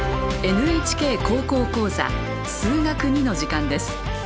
「ＮＨＫ高校講座数学Ⅱ」の時間です。